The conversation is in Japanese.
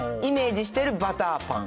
イメージしてるバターパン。